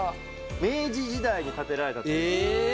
明治時代に建てられたということです。